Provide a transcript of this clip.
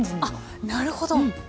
あっなるほど。